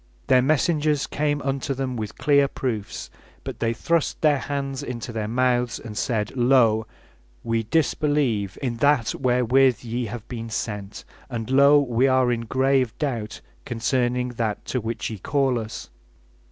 Their messengers came unto them with clear proofs, but they thrust their hands into their mouths, and said: Lo! we disbelieve in that wherewith ye have been sent, and lo! we are in grave doubt concerning that to which ye call us.